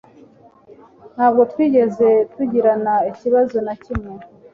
Ntabwo twigeze tugirana ikibazo na kimwe